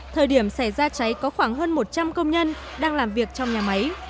thời điểm xảy ra cháy có khoảng hơn một trăm linh công nhân đang làm việc trong nhà máy